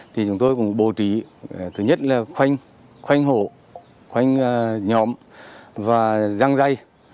thì chúng tôi cũng bố trí thứ nhất là khoanh khoanh hổ khoanh nhóm và răng dây